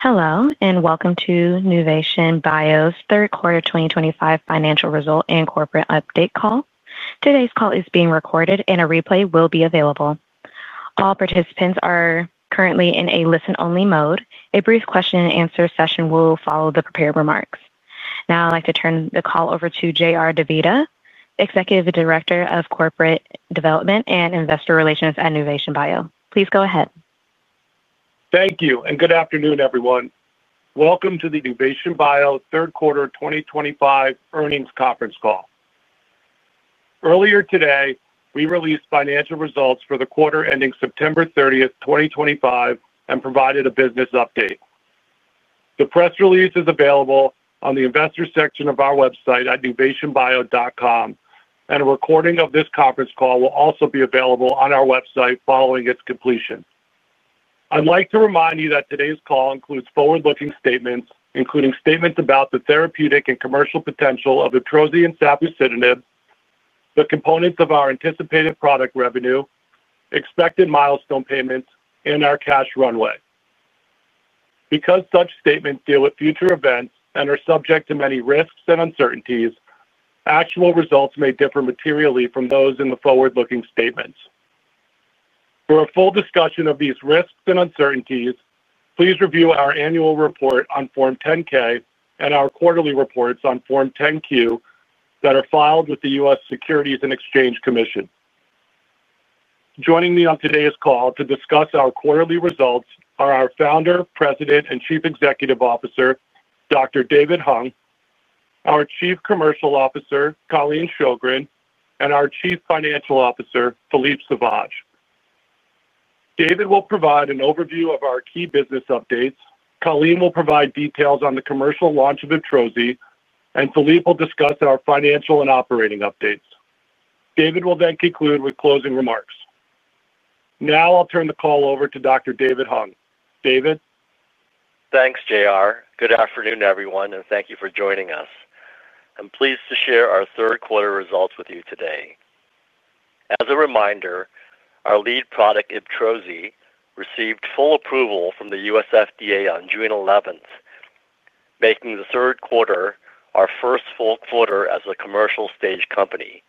Hello and welcome to Nuvation Bio's third quarter 2025 financial result and corporate update call. Today's call is being recorded, and a replay will be available. All participants are currently in a listen-only mode. A brief question-and-answer session will follow the prepared remarks. Now I'd like to turn the call over to J.R. DeVita, Executive Director of Corporate Development and Investor Relations at Nuvation Bio. Please go ahead. Thank you, and good afternoon, everyone. Welcome to the Nuvation Bio third quarter 2025 earnings conference call. Earlier today, we released financial results for the quarter ending September 30th, 2025, and provided a business update. The press release is available on the investor section of our website at nuvationbio.com, and a recording of this conference call will also be available on our website following its completion. I'd like to remind you that today's call includes forward-looking statements, including statements about the therapeutic and commercial potential of IBTROZI and safusidenib, the components of our anticipated product revenue, expected milestone payments, and our cash runway. Because such statements deal with future events and are subject to many risks and uncertainties, actual results may differ materially from those in the forward-looking statements. For a full discussion of these risks and uncertainties, please review our annual report on Form 10-K and our quarterly reports on Form 10-Q that are filed with the U.S. Securities and Exchange Commission. Joining me on today's call to discuss our quarterly results are our Founder, President, and Chief Executive Officer, Dr. David Hung, our Chief Commercial Officer, Colleen Sjogren, and our Chief Financial Officer, Philippe Sauvage. David will provide an overview of our key business updates. Colleen will provide details on the commercial launch of IBTROZI, and Philippe will discuss our financial and operating updates. David will then conclude with closing remarks. Now I'll turn the call over to Dr. David Hung. David? Thanks, J.R. Good afternoon, everyone, and thank you for joining us. I'm pleased to share our third quarter results with you today. As a reminder, our lead product, IBTROZI, received full approval from the U.S. FDA on June 11th. Making the third quarter our first full quarter as a commercial stage company.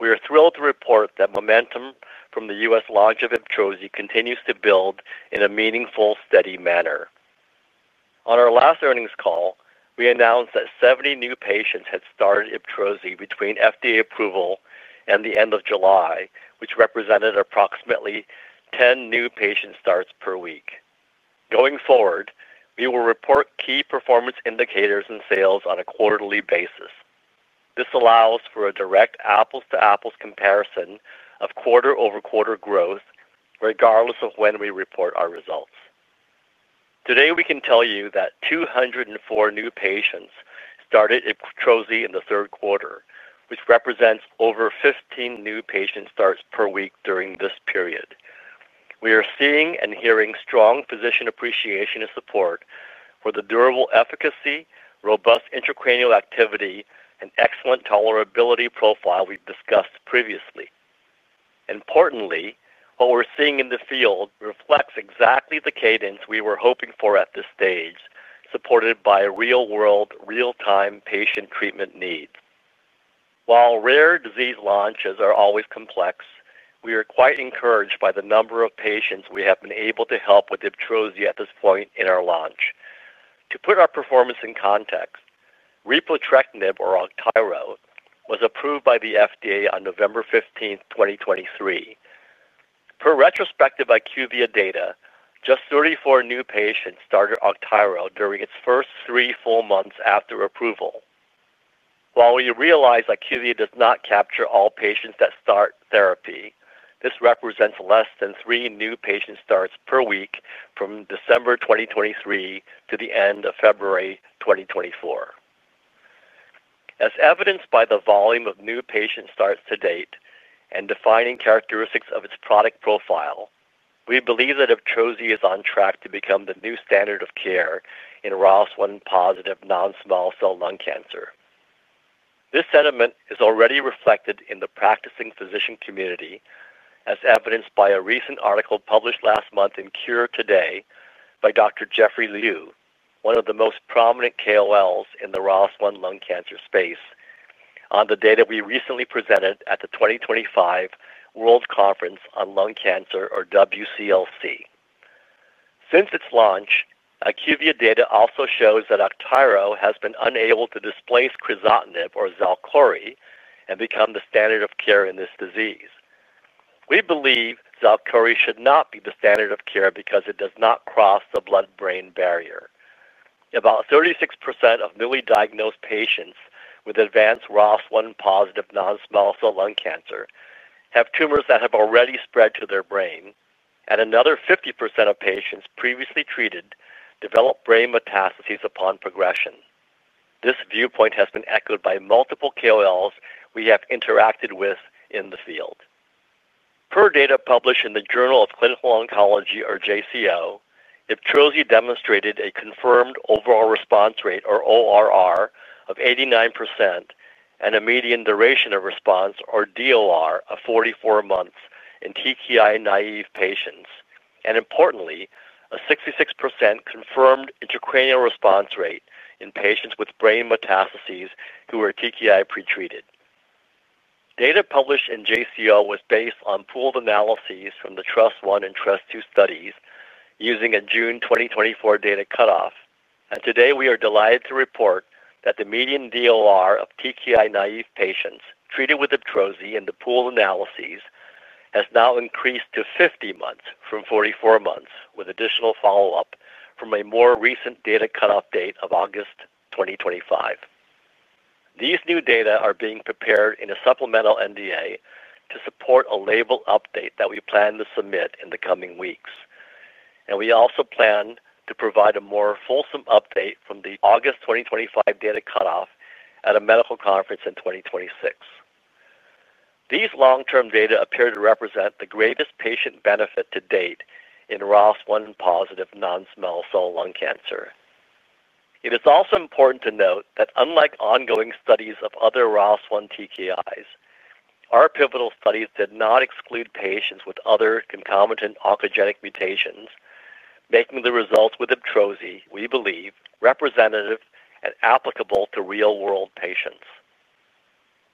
We are thrilled to report that momentum from the U.S. launch of IBTROZI continues to build in a meaningful, steady manner. On our last earnings call, we announced that 70 new patients had started IBTROZI between FDA approval and the end of July, which represented approximately 10 new patient starts per week. Going forward, we will report key performance indicators and sales on a quarterly basis. This allows for a direct apples-to-apples comparison of quarter-over-quarter growth, regardless of when we report our results. Today, we can tell you that 204 new patients started IBTROZI in the third quarter, which represents over 15 new patient starts per week during this period. We are seeing and hearing strong physician appreciation and support for the durable efficacy, robust intracranial activity, and excellent tolerability profile we've discussed previously. Importantly, what we're seeing in the field reflects exactly the cadence we were hoping for at this stage, supported by real-world, real-time patient treatment needs. While rare disease launches are always complex, we are quite encouraged by the number of patients we have been able to help with IBTROZI at this point in our launch. To put our performance in context, repotrectinib or Augtyro, was approved by the FDA on November 15th, 2023. Per retrospective IQVIA data, just 34 new patients started Augtyro during its first three full months after approval. While we realize IQVIA does not capture all patients that start therapy, this represents less than three new patient starts per week from December 2023 to the end of February 2024. As evidenced by the volume of new patient starts to date and defining characteristics of its product profile, we believe that IBTROZI is on track to become the new standard of care in ROS1-positive non-small cell lung cancer. This sentiment is already reflected in the practicing physician community, as evidenced by a recent article published last month in CUREtoday by Dr. Geoffrey Liu, one of the most prominent KOLs in the ROS1 lung cancer space. On the data we recently presented at the 2025 World Conference on Lung Cancer, or WCLC. Since its launch, IQVIA data also shows that Augtyro has been unable to displace crizotinib, or XALKORI, and become the standard of care in this disease. We believe XALKORI should not be the standard of care because it does not cross the blood-brain barrier. About 36% of newly diagnosed patients with advanced ROS1-positive non-small cell lung cancer have tumors that have already spread to their brain, and another 50% of patients previously treated develop brain metastases upon progression. This viewpoint has been echoed by multiple KOLs we have interacted with in the field. Per data published in the Journal of Clinical Oncology, or JCO, IBTROZI demonstrated a confirmed Overall Response Rate, or ORR, of 89%. And a median Duration of Response, or DOR, of 44 months in TKI-naive patients. And importantly, a 66% confirmed intracranial response rate in patients with brain metastases who were TKI-pretreated. Data published in JCO was based on pooled analyses from the TRUST-I and TRUST-II studies using a June 2024 data cutoff. Today, we are delighted to report that the median DOR of TKI-naive patients treated with IBTROZI in the pooled analyses has now increased to 50 months from 44 months, with additional follow-up from a more recent data cutoff date of August 2025. These new data are being prepared in a supplemental NDA to support a label update that we plan to submit in the coming weeks. We also plan to provide a more fulsome update from the August 2025 data cutoff at a medical conference in 2026. These long-term data appear to represent the greatest patient benefit to date in ROS1-positive non-small cell lung cancer. It is also important to note that unlike ongoing studies of other ROS1 TKIs, our pivotal studies did not exclude patients with other concomitant oncogenic mutations, making the results with IBTROZI, we believe, representative and applicable to real-world patients.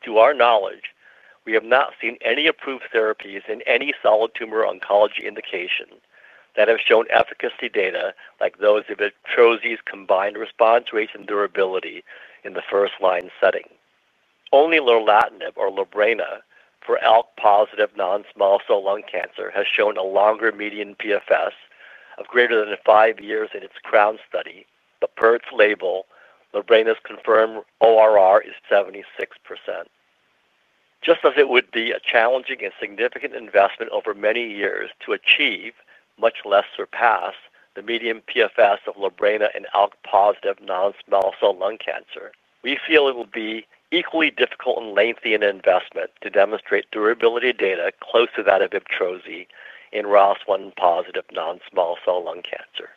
To our knowledge, we have not seen any approved therapies in any solid tumor oncology indication that have shown efficacy data like those of IBTROZI's combined response rates and durability in the first-line setting. Only lorlatinib, or LORBRENA, for ALK-positive non-small cell lung cancer has shown a longer median PFS of greater than five years in its CROWN study, but per its label, LORBRENA's confirmed ORR is 76%. Just as it would be a challenging and significant investment over many years to achieve, much less surpass, the median PFS of LORBRENA in ALK-positive non-small cell lung cancer, we feel it will be equally difficult and lengthy an investment to demonstrate durability data close to that of IBTROZI in ROS1-positive non-small cell lung cancer.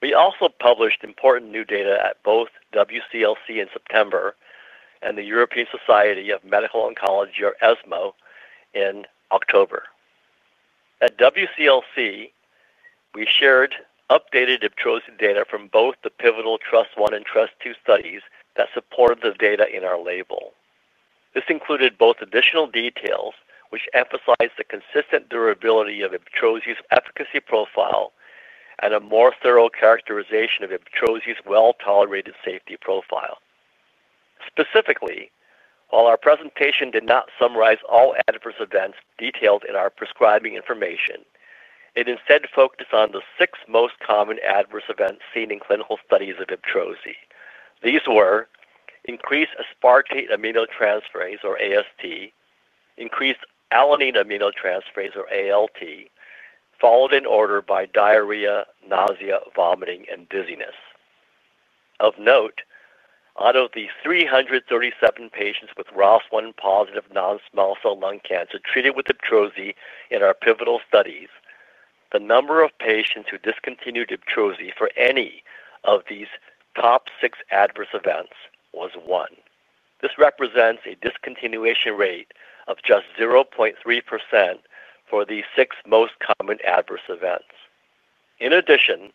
We also published important new data at both WCLC in September and the European Society of Medical Oncology, or ESMO, in October. At WCLC, we shared updated IBTROZI data from both the pivotal TRUST-I and TRUST-II studies that supported the data in our label. This included both additional details which emphasized the consistent durability of IBTROZI's efficacy profile and a more thorough characterization of IBTROZI's well-tolerated safety profile. Specifically, while our presentation did not summarize all adverse events detailed in our prescribing information, it instead focused on the six most common adverse events seen in clinical studies of IBTROZI. These were increased aspartate aminotransferase, or AST, increased alanine aminotransferase, or ALT, followed in order by diarrhea, nausea, vomiting, and dizziness. Of note. Out of the 337 patients with ROS1-positive non-small cell lung cancer treated with IBTROZI in our pivotal studies, the number of patients who discontinued IBTROZI for any of these top six adverse events was one. This represents a discontinuation rate of just 0.3% for the six most common adverse events. In addition,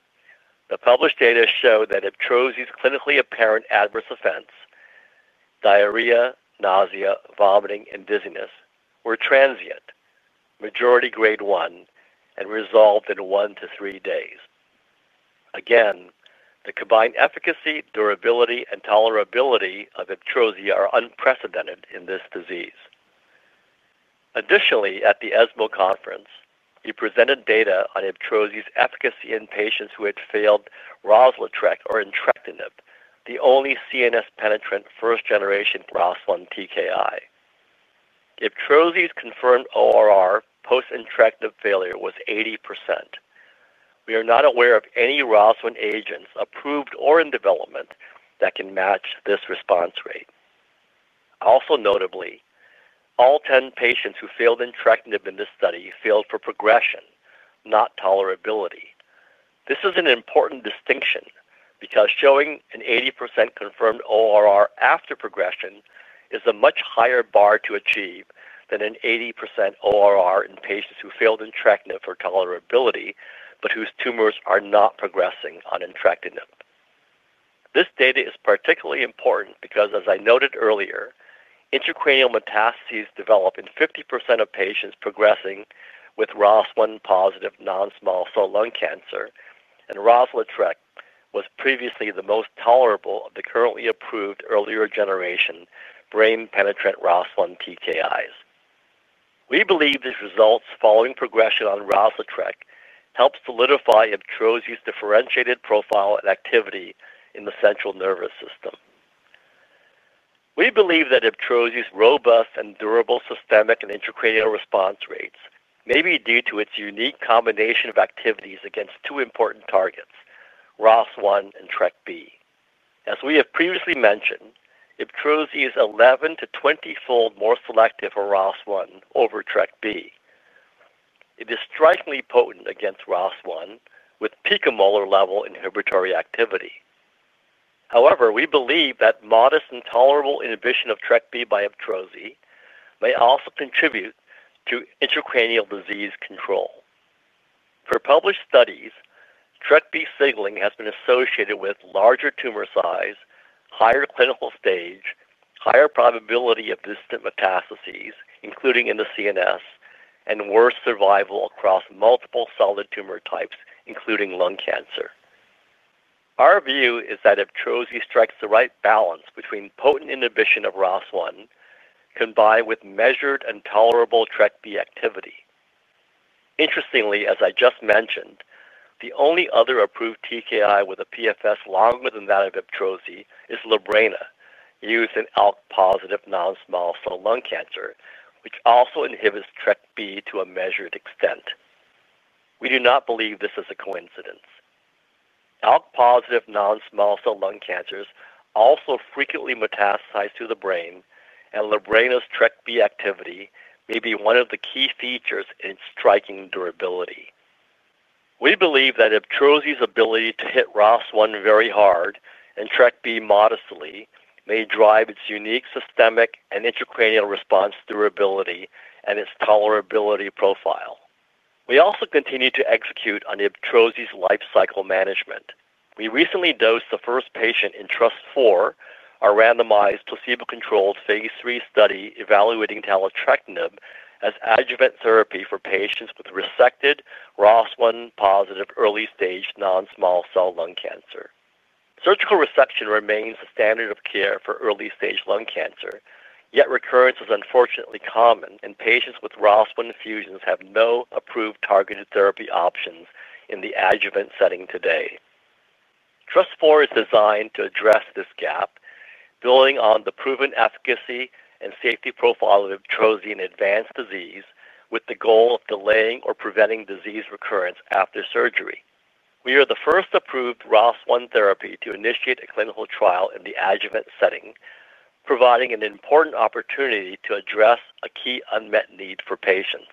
the published data show that IBTROZI's clinically apparent adverse events—diarrhea, nausea, vomiting, and dizziness—were transient, majority grade 1, and resolved in 1-3 days. Again, the combined efficacy, durability, and tolerability of IBTROZI are unprecedented in this disease. Additionally, at the ESMO conference, we presented data on IBTROZI's efficacy in patients who had failed Rozlytrek or entrectinib, the only CNS-penetrant first-generation ROS1 TKI. IBTROZI's confirmed ORR post-entrectinib failure was 80%. We are not aware of any ROS1 agents approved or in development that can match this response rate. Also notably, all 10 patients who failed entrectinib in this study failed for progression, not tolerability. This is an important distinction because showing an 80% confirmed ORR after progression is a much higher bar to achieve than an 80% ORR in patients who failed entrectinib for tolerability but whose tumors are not progressing on entrectinib. This data is particularly important because, as I noted earlier, intracranial metastases develop in 50% of patients progressing with ROS1-positive non-small cell lung cancer, and Rozlytrek was previously the most tolerable of the currently approved earlier-generation brain-penetrant ROS1 TKIs. We believe these results following progression on Rozlytrek help solidify IBTROZI's differentiated profile and activity in the central nervous system. We believe that IBTROZI's robust and durable systemic and intracranial response rates may be due to its unique combination of activities against two important targets, ROS1 and TrkB. As we have previously mentioned, IBTROZI is 11-20x more selective for ROS1 over TrkB. It is strikingly potent against ROS1 with peak amoral level inhibitory activity. However, we believe that modest and tolerable inhibition of TrkB by IBTROZI may also contribute to intracranial disease control. For published studies, TrkB signaling has been associated with larger tumor size, higher clinical stage, higher probability of distant metastases, including in the CNS, and worse survival across multiple solid tumor types, including lung cancer. Our view is that IBTROZI strikes the right balance between potent inhibition of ROS1 combined with measured and tolerable TrkB activity. Interestingly, as I just mentioned, the only other approved TKI with a PFS longer than that of IBTROZI is LORBRENA, used in ALK-positive non-small cell lung cancer, which also inhibits TrkB to a measured extent. We do not believe this is a coincidence. ALK-positive non-small cell lung cancers also frequently metastasize to the brain, and LORBRENA's TrkB activity may be one of the key features in striking durability. We believe that IBTROZI's ability to hit ROS1 very hard and TrkB modestly may drive its unique systemic and intracranial response durability and its tolerability profile. We also continue to execute on IBTROZI's lifecycle management. We recently dosed the first patient in TRUST-IV, our randomized placebo-controlled phase III study evaluating taletrectinib as adjuvant therapy for patients with resected ROS1-positive early-stage non-small cell lung cancer. Surgical resection remains the standard of care for early-stage lung cancer, yet recurrence is unfortunately common, and patients with ROS1 fusions have no approved targeted therapy options in the adjuvant setting today. TRUST-IV is designed to address this gap, building on the proven efficacy and safety profile of IBTROZI in advanced disease with the goal of delaying or preventing disease recurrence after surgery. We are the first approved ROS1 therapy to initiate a clinical trial in the adjuvant setting, providing an important opportunity to address a key unmet need for patients.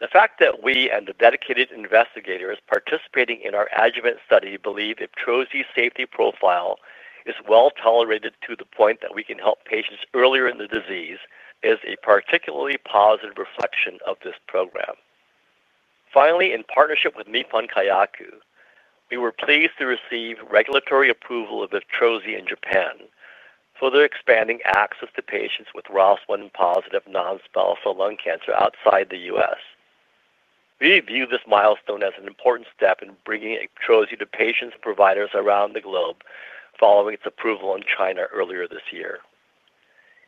The fact that we and the dedicated investigators participating in our adjuvant study believe IBTROZI's safety profile is well tolerated to the point that we can help patients earlier in the disease is a particularly positive reflection of this program. Finally, in partnership with Nippon Kayaku, we were pleased to receive regulatory approval of IBTROZI in Japan, further expanding access to patients with ROS1-positive non-small cell lung cancer outside the U.S. We view this milestone as an important step in bringing IBTROZI to patients and providers around the globe following its approval in China earlier this year.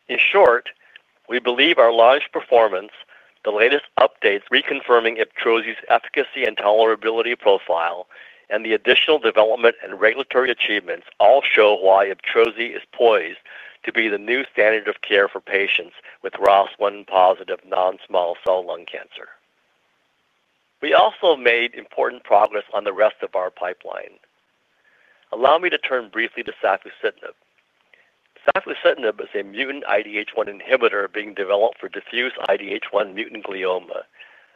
In short, we believe our large performance, the latest updates reconfirming IBTROZI's efficacy and tolerability profile, and the additional development and regulatory achievements all show why IBTROZI is poised to be the new standard of care for patients with ROS1-positive non-small cell lung cancer. We also have made important progress on the rest of our pipeline. Allow me to turn briefly to safusidenib. Safusidenib is a mutant IDH1 inhibitor being developed for diffuse IDH1 mutant glioma,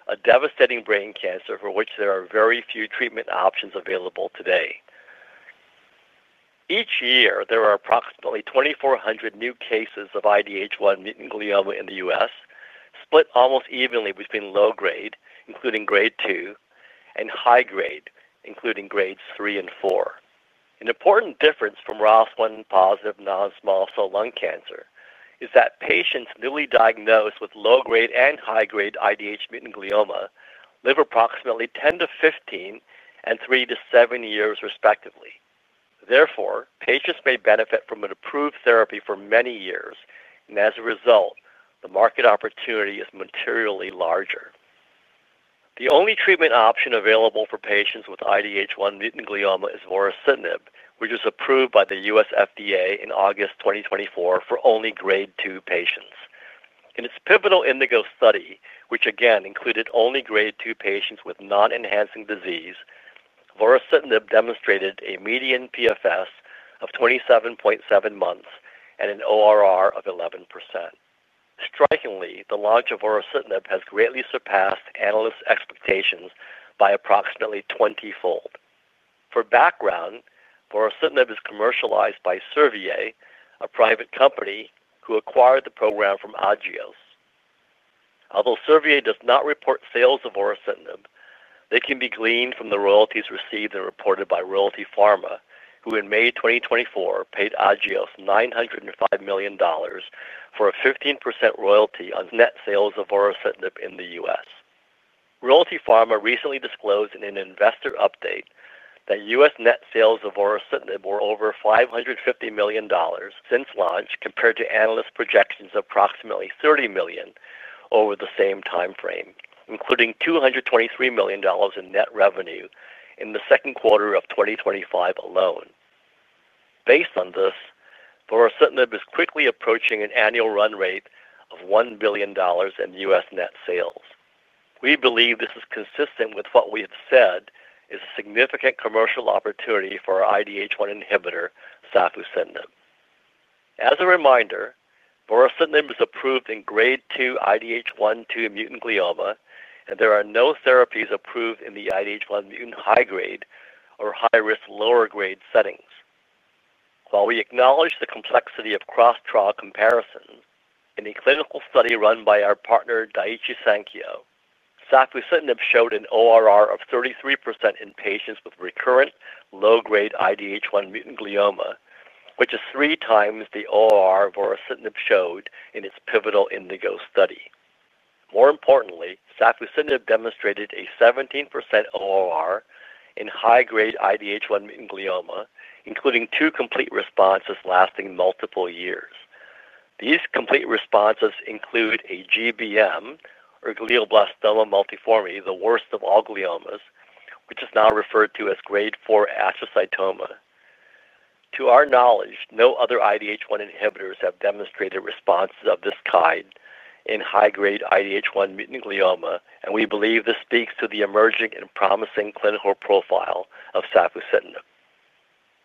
a devastating brain cancer for which there are very few treatment options available today. Each year, there are approximately 2,400 new cases of IDH1 mutant glioma in the U.S., split almost evenly between low grade, including grade 2, and high grade, including grades 3 and 4. An important difference from ROS1-positive non-small cell lung cancer is that patients newly diagnosed with low-grade and high-grade IDH mutant glioma live approximately 10-15 and 3-7 years, respectively. Therefore, patients may benefit from an approved therapy for many years, and as a result, the market opportunity is materially larger. The only treatment option available for patients with IDH1 mutant glioma is vorasidenib, which was approved by the U.S. FDA in August 2024 for only grade 2 patients. In its pivotal INDIGO study, which again included only grade 2 patients with non-enhancing disease, vorasidenib demonstrated a median PFS of 27.7 months and an ORR of 11%. Strikingly, the launch of vorasidenib has greatly surpassed analysts' expectations by approximately 20x. For background, vorasidenib is commercialized by Servier, a private company who acquired the program from Agios. Although Servier does not report sales of vorasidenib, they can be gleaned from the royalties received and reported by Realty Pharma, who in May 2024 paid Agios $905 million for a 15% royalty on net sales of vorasidenib in the U.S. Realty Pharma recently disclosed in an investor update that U.S. net sales of vorasidenib were over $550 million since launch compared to analysts' projections of approximately $30 million over the same timeframe, including $223 million in net revenue in the second quarter of 2025 alone. Based on this, vorasidenib is quickly approaching an annual run rate of $1 billion in U.S. net sales. We believe this is consistent with what we have said is a significant commercial opportunity for our IDH1 inhibitor, safusidenib. As a reminder, vorasidenib is approved in grade 2 IDH1-mutant glioma, and there are no therapies approved in the IDH1-mutant high-grade or high-risk lower-grade settings. While we acknowledge the complexity of cross-trial comparisons, in a clinical study run by our partner, Daiichi Sankyo, safusidenib showed an ORR of 33% in patients with recurrent low-grade IDH1-mutant glioma, which is three times the ORR vorasidenib showed in its pivotal INDIGO study. More importantly, safusidenib demonstrated a 17% ORR in high-grade IDH1-mutant glioma, including two complete responses lasting multiple years. These complete responses include a GBM, or glioblastoma multiforme, the worst of all gliomas, which is now referred to as grade 4 astrocytoma. To our knowledge, no other IDH1 inhibitors have demonstrated responses of this kind in high-grade IDH1-mutant glioma, and we believe this speaks to the emerging and promising clinical profile of safusidenib.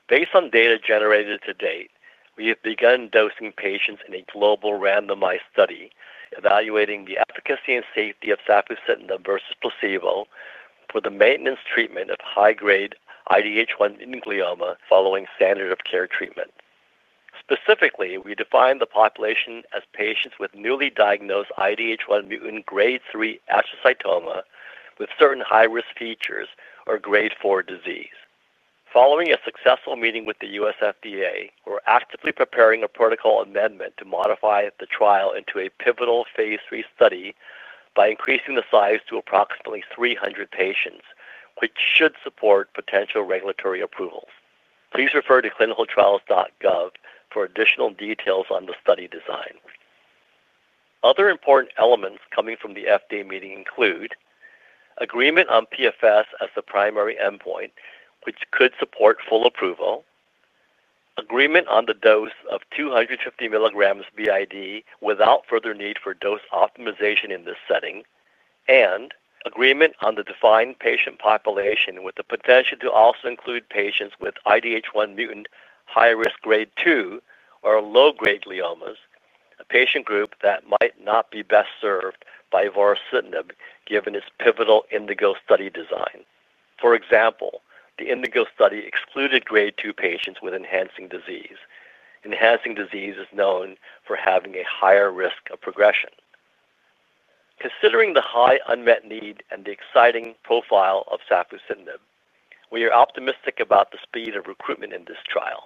Based on data generated to date, we have begun dosing patients in a global randomized study evaluating the efficacy and safety of safusidenib versus placebo for the maintenance treatment of high-grade IDH1-mutant glioma following standard of care treatment. Specifically, we define the population as patients with newly diagnosed IDH1-mutant grade 3 astrocytoma with certain high-risk features or grade 4 disease. Following a successful meeting with the U.S. FDA, we're actively preparing a protocol amendment to modify the trial into a pivotal phase III study by increasing the size to approximately 300 patients, which should support potential regulatory approvals. Please refer to clinicaltrials.gov for additional details on the study design. Other important elements coming from the FDA meeting include agreement on PFS as the primary endpoint, which could support full approval, agreement on the dose of 250 mg BID without further need for dose optimization in this setting, and agreement on the defined patient population with the potential to also include patients with IDH1-mutant high-risk grade 2 or low-grade gliomas, a patient group that might not be best served by vorasidenib given its pivotal INDIGO study design. For example, the INDIGO study excluded grade 2 patients with enhancing disease. Enhancing disease is known for having a higher risk of progression. Considering the high unmet need and the exciting profile of safusidenib, we are optimistic about the speed of recruitment in this trial.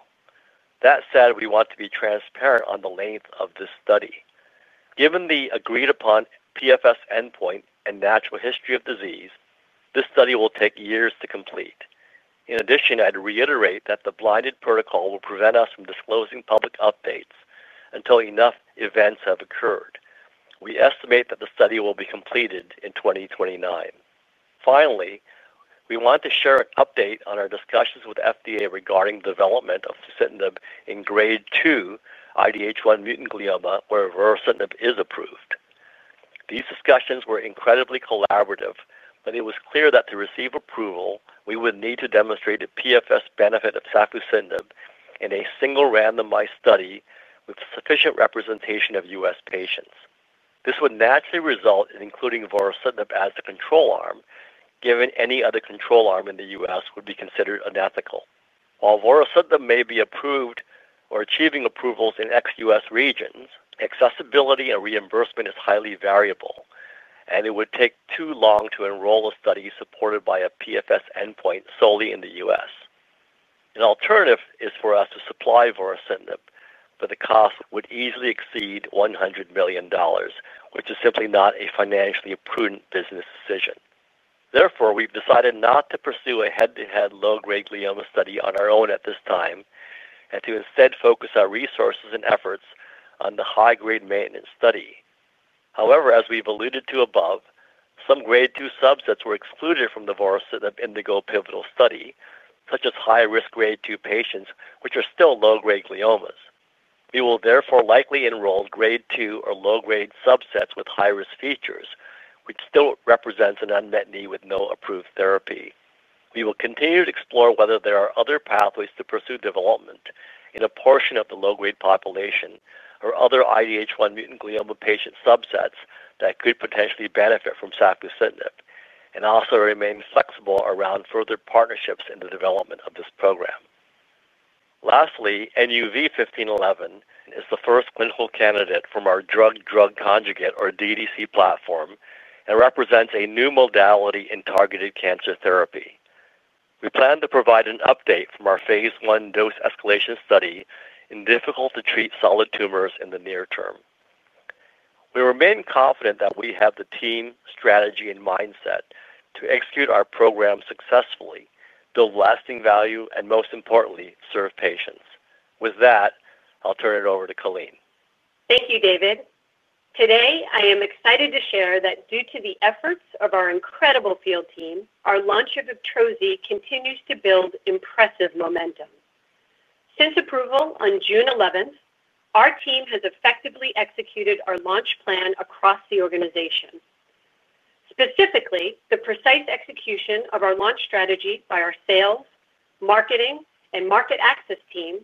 That said, we want to be transparent on the length of this study. Given the agreed-upon PFS endpoint and natural history of disease, this study will take years to complete. In addition, I'd reiterate that the blinded protocol will prevent us from disclosing public updates until enough events have occurred. We estimate that the study will be completed in 2029. Finally, we want to share an update on our discussions with FDA regarding the development of vorasidenib in grade 2 IDH1 mutant glioma where vorasidenib is approved. These discussions were incredibly collaborative, but it was clear that to receive approval, we would need to demonstrate a PFS benefit of safusidenib in a single randomized study with sufficient representation of U.S. patients. This would naturally result in including vorasidenib as the control arm, given any other control arm in the U.S. would be considered unethical. While vorasidenib may be approved or achieving approvals in ex-U.S. regions, accessibility and reimbursement is highly variable, and it would take too long to enroll a study supported by a PFS endpoint solely in the U.S. An alternative is for us to supply vorasidenib, but the cost would easily exceed $100 million, which is simply not a financially prudent business decision. Therefore, we've decided not to pursue a head-to-head low-grade glioma study on our own at this time and to instead focus our resources and efforts on the high-grade maintenance study. However, as we've alluded to above, some grade 2 subsets were excluded from the vorasidenib indigo pivotal study, such as high-risk grade 2 patients which are still low-grade gliomas. We will therefore likely enroll grade 2 or low-grade subsets with high-risk features, which still represents an unmet need with no approved therapy. We will continue to explore whether there are other pathways to pursue development in a portion of the low-grade population or other IDH1 mutant glioma patient subsets that could potentially benefit from safusidenib and also remain flexible around further partnerships in the development of this program. Lastly, NUV-1511 is the first clinical candidate from our drug–drug conjugate, or DDC, platform and represents a new modality in targeted cancer therapy. We plan to provide an update from our phase I dose escalation study in difficult-to-treat solid tumors in the near term. We remain confident that we have the team, strategy, and mindset to execute our program successfully, build lasting value, and most importantly, serve patients. With that, I'll turn it over to Colleen. Thank you, David. Today, I am excited to share that due to the efforts of our incredible field team, our launch of IBTROZI continues to build impressive momentum. Since approval on June 11, our team has effectively executed our launch plan across the organization. Specifically, the precise execution of our launch strategy by our sales, marketing, and market access team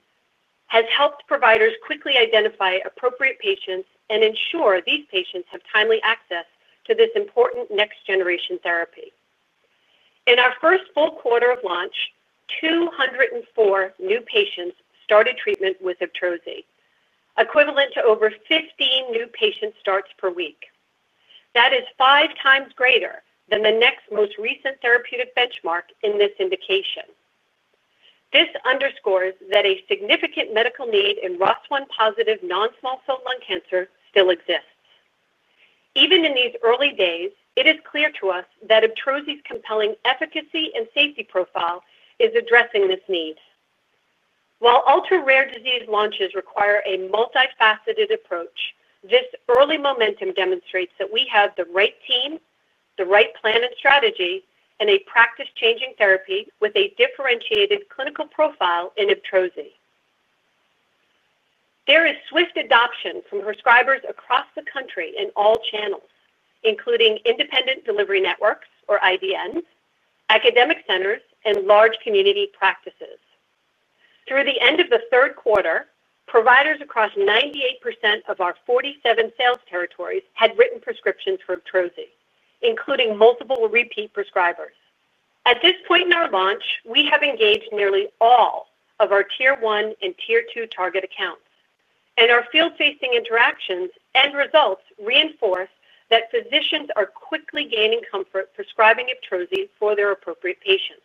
has helped providers quickly identify appropriate patients and ensure these patients have timely access to this important next-generation therapy. In our first full quarter of launch, 204 new patients started treatment with IBTROZI, equivalent to over 15 new patient starts per week. That is five times greater than the next most recent therapeutic benchmark in this indication. This underscores that a significant medical need in ROS1-positive non-small cell lung cancer still exists. Even in these early days, it is clear to us that IBTROZI's compelling efficacy and safety profile is addressing this need. While ultra-rare disease launches require a multifaceted approach, this early momentum demonstrates that we have the right team, the right plan and strategy, and a practice-changing therapy with a differentiated clinical profile in IBTROZI. There is swift adoption from prescribers across the country in all channels, including independent delivery networks, or IDNs, academic centers, and large community practices. Through the end of the third quarter, providers across 98% of our 47 sales territories had written prescriptions for IBTROZI, including multiple repeat prescribers. At this point in our launch, we have engaged nearly all of our tier 1 and tier 2 target accounts, and our field-facing interactions and results reinforce that physicians are quickly gaining comfort prescribing IBTROZI for their appropriate patients.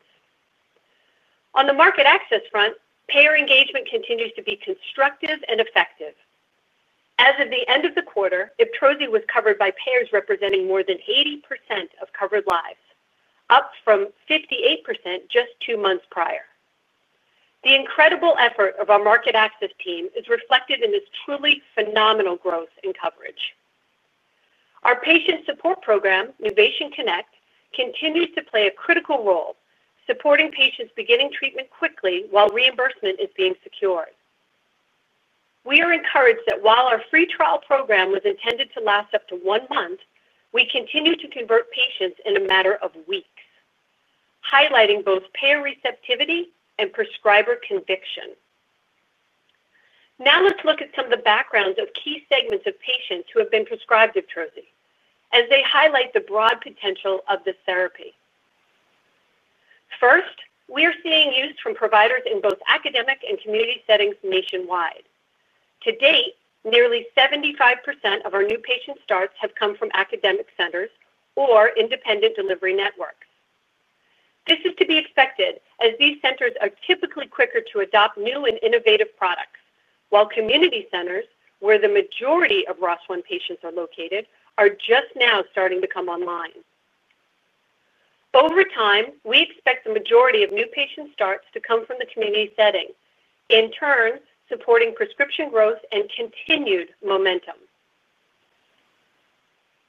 On the market access front, payer engagement continues to be constructive and effective. As of the end of the quarter, IBTROZI was covered by payers representing more than 80% of covered lives, up from 58% just two months prior. The incredible effort of our market access team is reflected in this truly phenomenal growth in coverage. Our patient support program, NuvationConnect, continues to play a critical role supporting patients beginning treatment quickly while reimbursement is being secured. We are encouraged that while our free trial program was intended to last up to one month, we continue to convert patients in a matter of weeks. Highlighting both payer receptivity and prescriber conviction. Now let's look at some of the backgrounds of key segments of patients who have been prescribed IBTROZI, as they highlight the broad potential of this therapy. First, we are seeing use from providers in both academic and community settings nationwide. To date, nearly 75% of our new patient starts have come from academic centers or independent delivery networks. This is to be expected, as these centers are typically quicker to adopt new and innovative products, while community centers, where the majority of ROS1 patients are located, are just now starting to come online. Over time, we expect the majority of new patient starts to come from the community setting, in turn supporting prescription growth and continued momentum.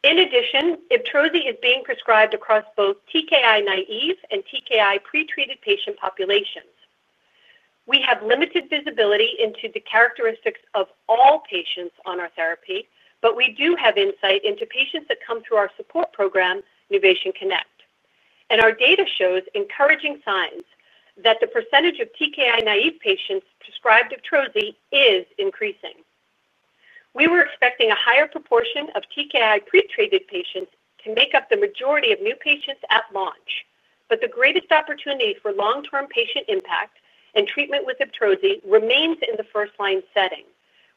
In addition, IBTROZI is being prescribed across both TKI naive and TKI pretreated patient populations. We have limited visibility into the characteristics of all patients on our therapy, but we do have insight into patients that come through our support program, NuvationConnect. Our data shows encouraging signs that the percentage of TKI naive patients prescribed IBTROZI is increasing. We were expecting a higher proportion of TKI pretreated patients to make up the majority of new patients at launch, but the greatest opportunity for long-term patient impact and treatment with IBTROZI remains in the first-line setting,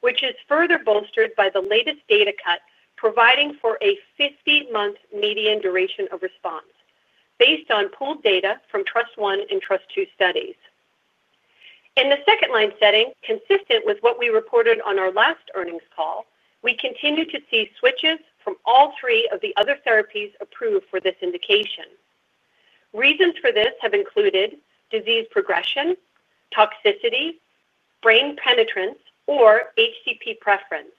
which is further bolstered by the latest data cut providing for a 50-month median duration of response, based on pooled data from TRUST-I and TRUST-II studies. In the second-line setting, consistent with what we reported on our last earnings call, we continue to see switches from all three of the other therapies approved for this indication. Reasons for this have included disease progression, toxicity, brain penetrance, or HCP preference.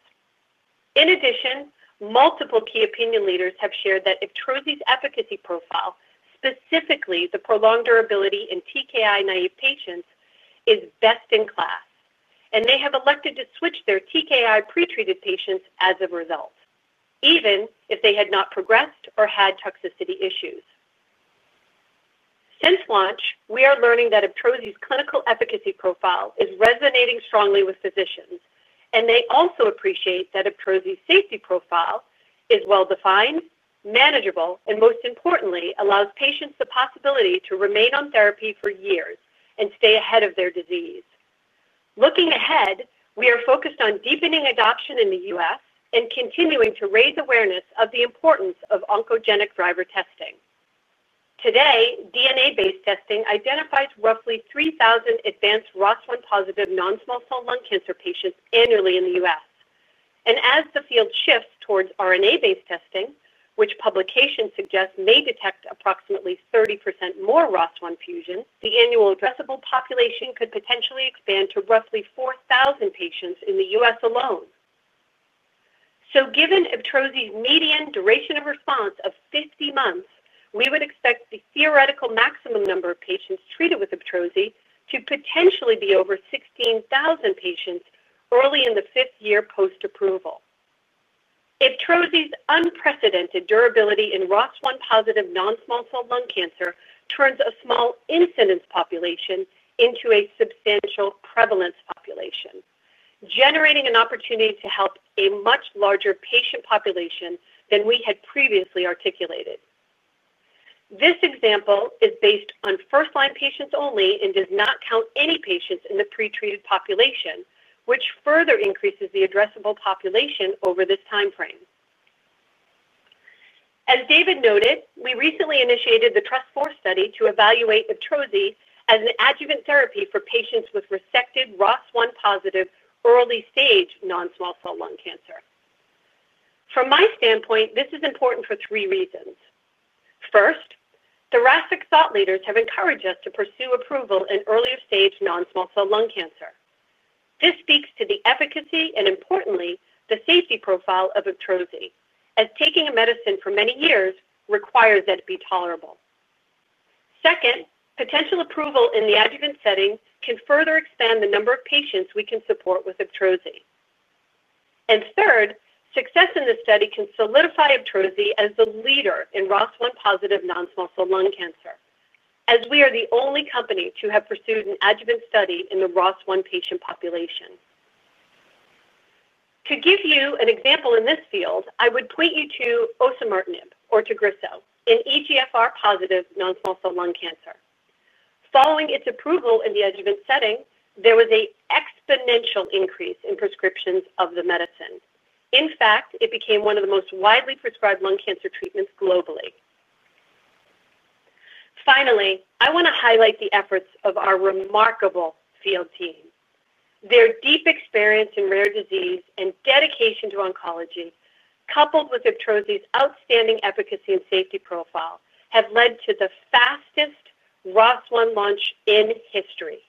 In addition, multiple key opinion leaders have shared that IBTROZI's efficacy profile, specifically the prolonged durability in TKI naive patients, is best in class, and they have elected to switch their TKI pretreated patients as a result, even if they had not progressed or had toxicity issues. Since launch, we are learning that IBTROZI's clinical efficacy profile is resonating strongly with physicians, and they also appreciate that IBTROZI's safety profile is well-defined, manageable, and most importantly, allows patients the possibility to remain on therapy for years and stay ahead of their disease. Looking ahead, we are focused on deepening adoption in the U.S. and continuing to raise awareness of the importance of oncogenic driver testing. Today, DNA-based testing identifies roughly 3,000 advanced ROS1-positive non-small cell lung cancer patients annually in the U.S. As the field shifts towards RNA-based testing, which publications suggest may detect approximately 30% more ROS1 fusion, the annual addressable population could potentially expand to roughly 4,000 patients in the U.S. alone. Given IBTROZI's median duration of response of 50 months, we would expect the theoretical maximum number of patients treated with IBTROZI to potentially be over 16,000 patients early in the fifth year post-approval. IBTROZI's unprecedented durability in ROS1-positive non-small cell lung cancer turns a small incidence population into a substantial prevalence population, generating an opportunity to help a much larger patient population than we had previously articulated. This example is based on first-line patients only and does not count any patients in the pretreated population, which further increases the addressable population over this timeframe. As David noted, we recently initiated the TRUST-IV study to evaluate IBTROZI as an adjuvant therapy for patients with resected ROS1-positive early-stage non-small cell lung cancer. From my standpoint, this is important for three reasons. First, thoracic thought leaders have encouraged us to pursue approval in earlier-stage non-small cell lung cancer. This speaks to the efficacy and, importantly, the safety profile of IBTROZI, as taking a medicine for many years requires that it be tolerable. Second, potential approval in the adjuvant setting can further expand the number of patients we can support with IBTROZI. Third, success in this study can solidify IBTROZI as the leader in ROS1-positive non-small cell lung cancer, as we are the only company to have pursued an adjuvant study in the ROS1 patient population. To give you an example in this field, I would point you to osimertinib, or Tagrisso, in EGFR-positive non-small cell lung cancer. Following its approval in the adjuvant setting, there was an exponential increase in prescriptions of the medicine. In fact, it became one of the most widely prescribed lung cancer treatments globally. Finally, I want to highlight the efforts of our remarkable field team. Their deep experience in rare disease and dedication to oncology, coupled with IBTROZI's outstanding efficacy and safety profile, have led to the fastest ROS1 launch in history.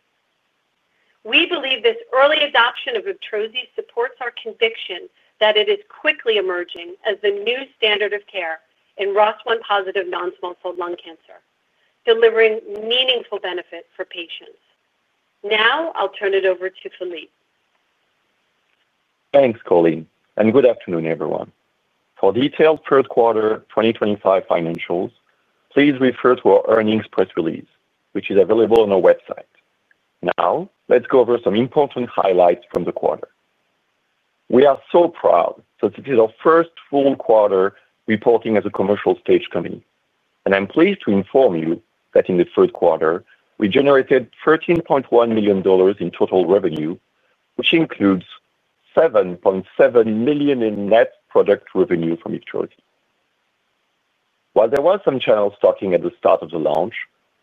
We believe this early adoption of IBTROZI supports our conviction that it is quickly emerging as the new standard of care in ROS1-positive non-small cell lung cancer, delivering meaningful benefit for patients. Now I'll turn it over to Philippe. Thanks, Colleen, and good afternoon, everyone. For detailed third-quarter 2025 financials, please refer to our earnings press release, which is available on our website. Now, let's go over some important highlights from the quarter. We are so proud that this is our first full quarter reporting as a commercial stage company, and I'm pleased to inform you that in the third quarter, we generated $13.1 million in total revenue, which includes $7.7 million in net product revenue from IBTROZI. While there were some channels stocking at the start of the launch,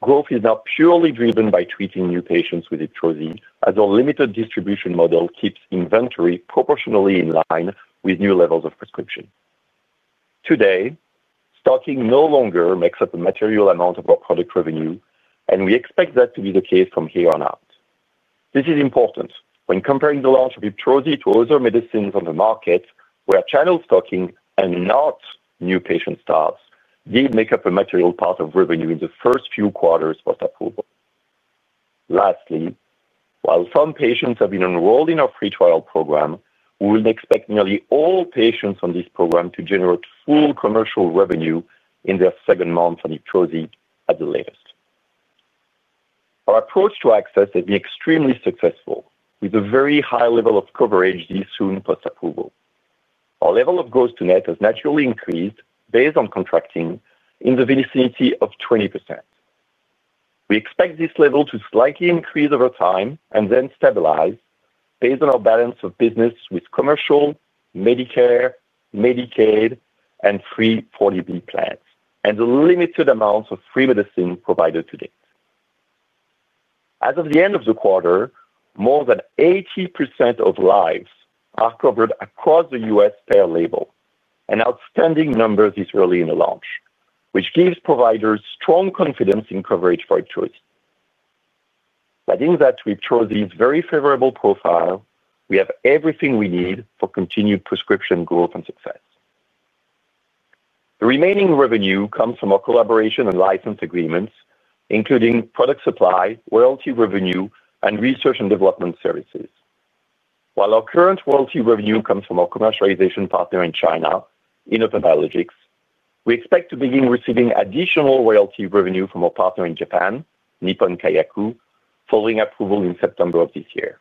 growth is now purely driven by treating new patients with IBTROZI, as our limited distribution model keeps inventory proportionally in line with new levels of prescription. Today, stocking no longer makes up a material amount of our product revenue, and we expect that to be the case from here on out. This is important when comparing the launch of IBTROZI to other medicines on the market where channel stocking and not new patient starts did make up a material part of revenue in the first few quarters post-approval. Lastly, while some patients have been enrolled in our free trial program, we will expect nearly all patients on this program to generate full commercial revenue in their second month on IBTROZI at the latest. Our approach to access has been extremely successful, with a very high level of coverage this soon post-approval. Our level of gross net has naturally increased based on contracting in the vicinity of 20%. We expect this level to slightly increase over time and then stabilize based on our balance of business with commercial, Medicare, Medicaid, and free 40B plans, and the limited amounts of free medicine provided to date. As of the end of the quarter, more than 80% of lives are covered across the U.S. Payer label, and outstanding numbers this early in the launch, which gives providers strong confidence in coverage for IBTROZI. Letting that we've chosen this very favorable profile, we have everything we need for continued prescription growth and success. The remaining revenue comes from our collaboration and license agreements, including product supply, royalty revenue, and research and development services. While our current royalty revenue comes from our commercialization partner in China, Innovent Biologics, we expect to begin receiving additional royalty revenue from our partner in Japan, Nippon Kayaku, following approval in September of this year.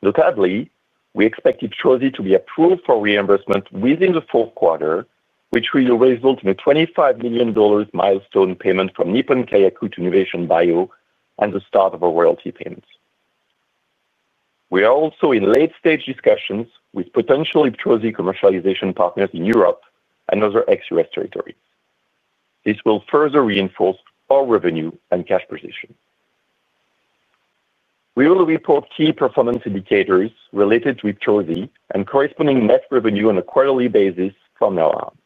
Notably, we expect IBTROZI to be approved for reimbursement within the fourth quarter, which will result in a $25 million milestone payment from Nippon Kayaku to Nuvation Bio and the start of our royalty payments. We are also in late-stage discussions with potential IBTROZI commercialization partners in Europe and other ex-U.S. territories. This will further reinforce our revenue and cash position. We will report key performance indicators related to IBTROZI and corresponding net revenue on a quarterly basis from now on.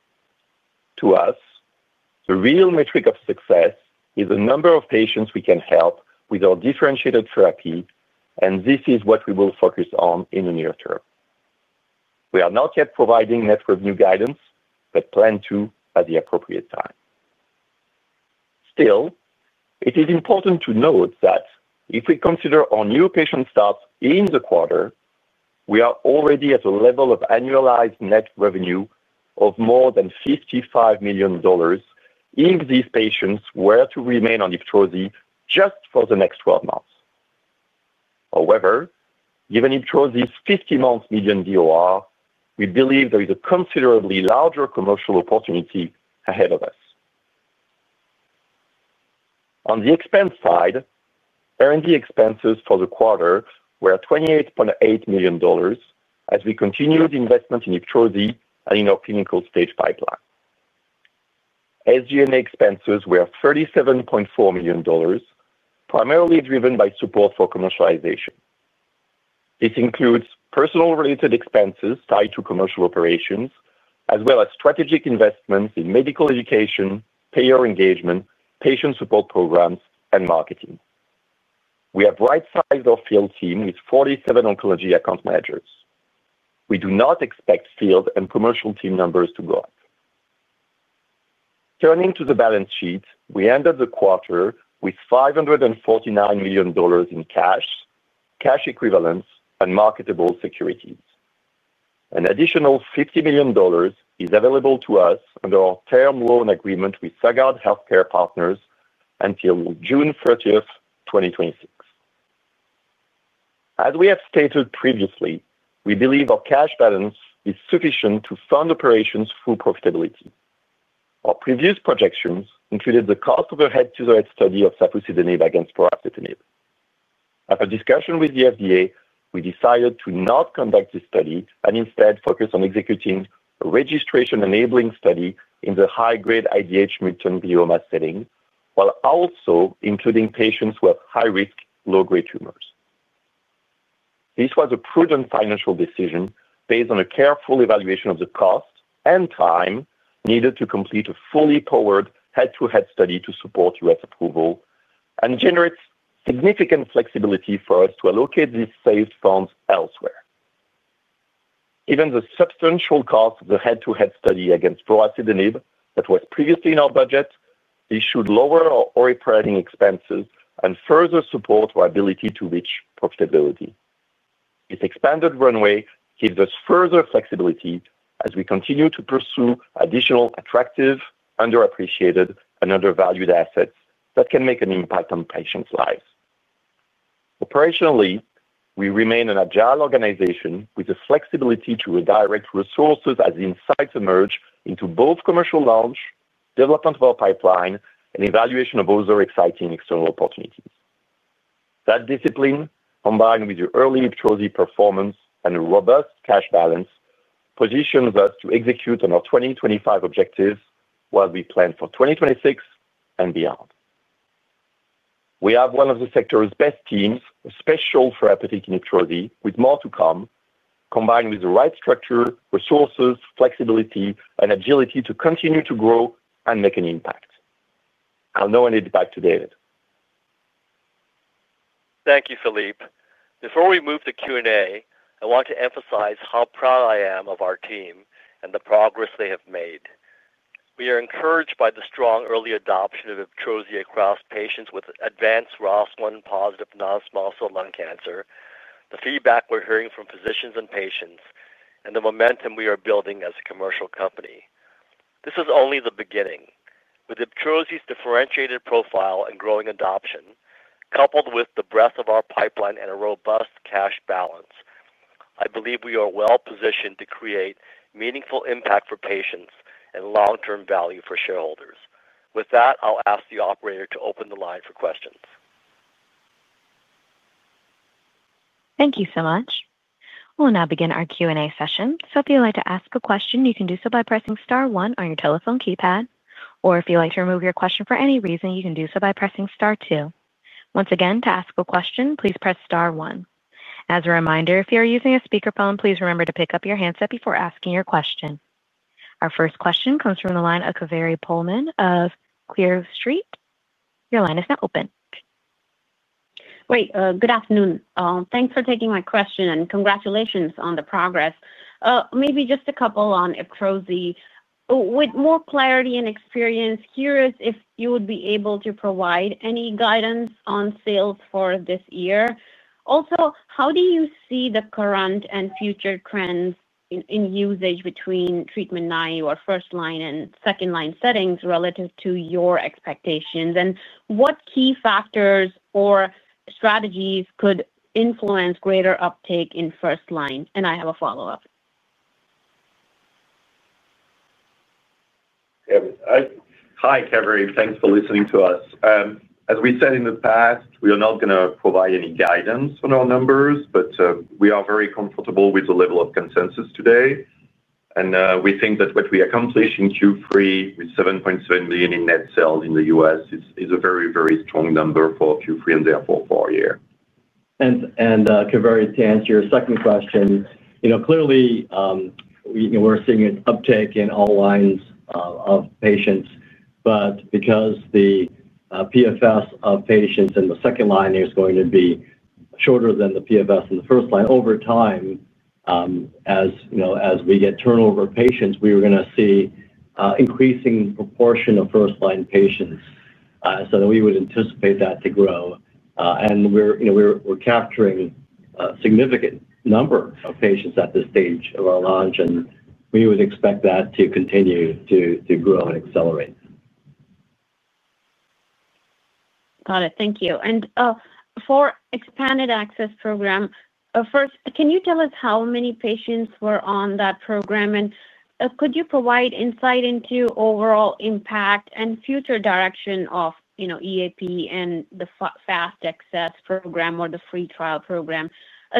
To us, the real metric of success is the number of patients we can help with our differentiated therapy, and this is what we will focus on in the near term. We are not yet providing net revenue guidance, but plan to at the appropriate time. Still, it is important to note that if we consider our new patient starts in the quarter, we are already at a level of annualized net revenue of more than $55 million. If these patients were to remain on IBTROZI just for the next 12 months. However, given IBTROZI's 50-month median DOR, we believe there is a considerably larger commercial opportunity ahead of us. On the expense side, R&D expenses for the quarter were $28.8 million, as we continued investment in IBTROZI and in our clinical stage pipeline. SG&A expenses were $37.4 million, primarily driven by support for commercialization. This includes personnel-related expenses tied to commercial operations, as well as strategic investments in medical education, payer engagement, patient support programs, and marketing. We have right-sized our field team with 47 oncology account managers. We do not expect field and commercial team numbers to go up. Turning to the balance sheet, we ended the quarter with $549 million in cash, cash equivalents, and marketable securities. An additional $50 million is available to us under our term loan agreement with Sagard Healthcare Partners until June 30th, 2026. As we have stated previously, we believe our cash balance is sufficient to fund operations through profitability. Our previous projections included the cost of a head-to-head study of safusidenib against vorasidenib. After discussion with the FDA, we decided to not conduct this study and instead focus on executing a registration-enabling study in the high-grade IDH mutant glioma setting, while also including patients who have high-risk, low-grade tumors. This was a prudent financial decision based on a careful evaluation of the cost and time needed to complete a fully-powered head-to-head study to support U.S. Approval and generates significant flexibility for us to allocate these saved funds elsewhere. Even the substantial cost of the head-to-head study against pralsetinib that was previously in our budget issued lower our operating expenses and further support our ability to reach profitability. This expanded runway gives us further flexibility as we continue to pursue additional attractive, underappreciated, and undervalued assets that can make an impact on patients' lives. Operationally, we remain an agile organization with the flexibility to redirect resources as insights emerge into both commercial launch, development of our pipeline, and evaluation of other exciting external opportunities. That discipline, combined with the early IBTROZI performance and a robust cash balance, positions us to execute on our 2025 objectives while we plan for 2026 and beyond. We have one of the sector's best teams, a special therapeutic in IBTROZI, with more to come, combined with the right structure, resources, flexibility, and agility to continue to grow and make an impact. I'll now hand it back to David. Thank you, Philippe. Before we move to Q&A, I want to emphasize how proud I am of our team and the progress they have made. We are encouraged by the strong early adoption of IBTROZI across patients with advanced ROS1-positive non-small cell lung cancer, the feedback we're hearing from physicians and patients, and the momentum we are building as a commercial company. This is only the beginning. With IBTROZI's differentiated profile and growing adoption, coupled with the breadth of our pipeline and a robust cash balance, I believe we are well-positioned to create meaningful impact for patients and long-term value for shareholders. With that, I'll ask the operator to open the line for questions. Thank you so much. We'll now begin our Q&A session. If you'd like to ask a question, you can do so by pressing star one on your telephone keypad, or if you'd like to remove your question for any reason, you can do so by pressing star two. Once again, to ask a question, please press star one. As a reminder, if you're using a speakerphone, please remember to pick up your handset before asking your question. Our first question comes from the line of Kaveri Pohlman of Clear Street. Your line is now open. Good afternoon. Thanks for taking my question and congratulations on the progress. Maybe just a couple on IBTROZI. With more clarity and experience, curious if you would be able to provide any guidance on sales for this year. Also, how do you see the current and future trends in usage between treatment nine, your first line, and second line settings relative to your expectations, and what key factors or strategies could influence greater uptake in first line? I have a follow-up. Hi, Kaveri. Thanks for listening to us. As we said in the past, we are not going to provide any guidance on our numbers, but we are very comfortable with the level of consensus today. We think that what we accomplish in Q3 with $7.7 million in net sales in the U.S. is a very, very strong number for Q3 and therefore for a year. Kaveri, to answer your second question, clearly. We're seeing an uptake in all lines of patients, but because the PFS of patients in the second line is going to be shorter than the PFS in the first line over time, as we get turnover patients, we were going to see an increasing proportion of first line patients. We would anticipate that to grow. We're capturing a significant number of patients at this stage of our launch, and we would expect that to continue to grow and accelerate. Got it. Thank you. For the expanded access program. First, can you tell us how many patients were on that program, and could you provide insight into overall impact and future direction of EAP and the fast access program or the free trial program?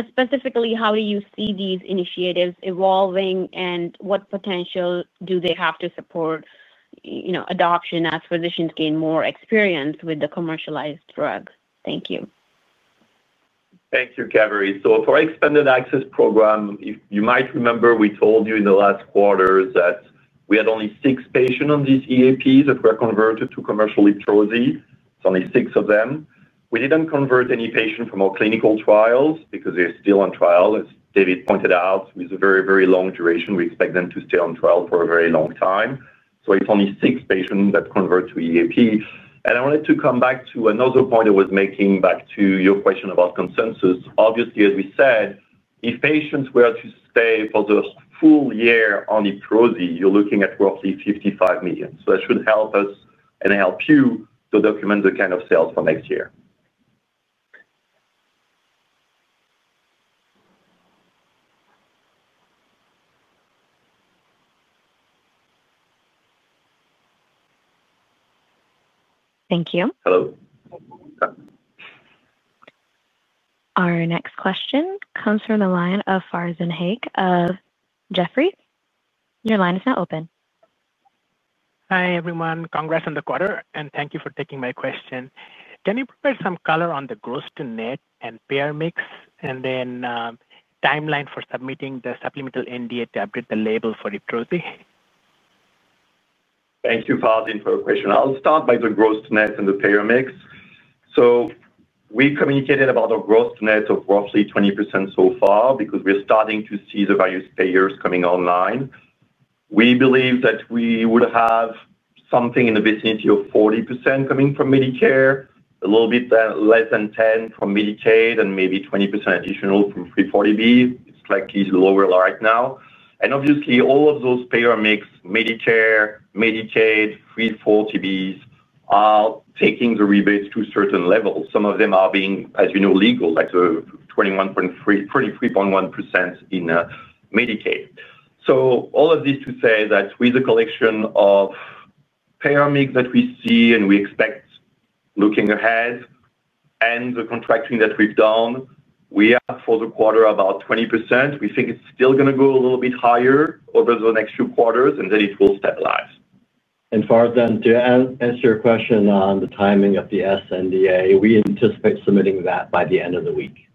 Specifically, how do you see these initiatives evolving, and what potential do they have to support adoption as physicians gain more experience with the commercialized drug? Thank you. Thank you, Kaveri. For the expanded access program, you might remember we told you in the last quarter that we had only six patients on these EAPs that were converted to commercial IBTROZI. It's only six of them. We didn't convert any patients from our clinical trials because they're still on trial, as David pointed out, with a very, very long duration. We expect them to stay on trial for a very long time. It's only six patients that convert to EAP. I wanted to come back to another point I was making back to your question about consensus. Obviously, as we said, if patients were to stay for the full year on IBTROZI, you're looking at roughly $55 million. That should help us and help you to document the kind of sales for next year. Thank you. Hello? Our next question comes from the line of Farzin Haque of Jeffrey. Your line is now open. Hi, everyone. Congrats on the quarter, and thank you for taking my question. Can you provide some color on the gross-to-net and payer mix, and then timeline for submitting the supplemental NDA to update the label for IBTROZI? Thank you, Farzin, for the question. I'll start by the gross-to-net and the payer mix. We communicated about a gross-to-net of roughly 20% so far because we're starting to see the various payers coming online. We believe that we would have something in the vicinity of 40% coming from Medicare, a little bit less than 10% from Medicaid, and maybe 20% additional from 340B. It's likely lower right now. Obviously, all of those payer mix, Medicare, Medicaid, 340Bs, are taking the rebates to a certain level. Some of them are being, as you know, legal to 23.1% in Medicaid. All of this to say that with the collection of payer mix that we see and we expect looking ahead, and the contracting that we've done, we have for the quarter about 20%. We think it's still going to go a little bit higher over the next few quarters, and then it will stabilize. And Farzin, to answer your question on the timing of the sNDA, we anticipate submitting that by the end of the week.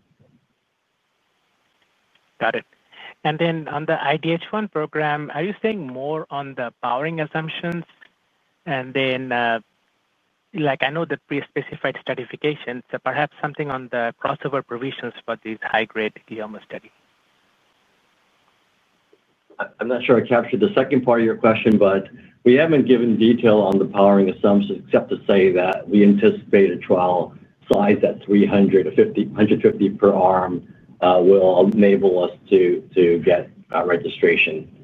Got it. On the IDH1 program, are you saying more on the powering assumptions? I know the pre-specified stratification, so perhaps something on the crossover provisions for these high-grade glioma studies. I'm not sure I captured the second part of your question, but we haven't given detail on the powering assumptions except to say that we anticipate a trial size at 350 per arm will enable us to get registration.